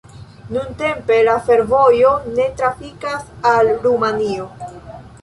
Nuntempe la fervojo ne trafikas al Rumanio.